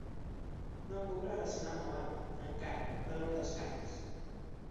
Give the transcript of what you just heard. No el puc relacionar amb Obama, encara, però no ho descartis.